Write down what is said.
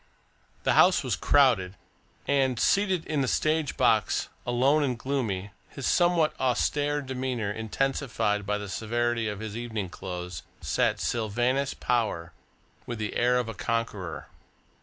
The house was crowded, and, seated in the stage box, alone and gloomy, his somewhat austere demeanour intensified by the severity of his evening clothes, sat Sylvanus Power with the air of a conqueror.